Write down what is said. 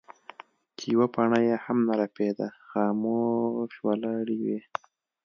چې يوه پاڼه يې هم نۀ رپيده خاموش ولاړې وې ـ